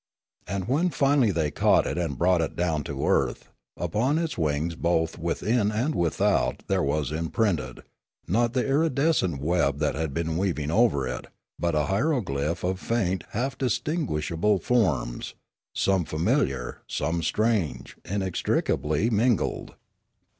And when finally they caught it and brought it down to earth, upon its wings both within and without there was imprinted, not the iridescent web that had been weaving over it, but a hieroglyph of faint, half distin guishable forms, some familiar, some strange, inex tricably mingled.